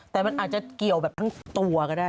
แต่มันอาจจะเกี่ยวแบบทั้งตัวก็ได้